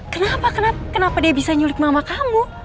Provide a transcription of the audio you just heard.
kenapa kenapa dia bisa nyulik mama kamu